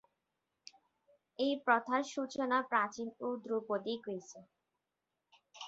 এই প্রথার সূচনা প্রাচীন ও ধ্রুপদী গ্রিসে।